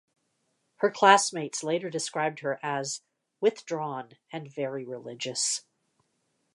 Her classmates later described her as "withdrawn and very religious".